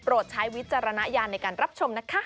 ใช้วิจารณญาณในการรับชมนะคะ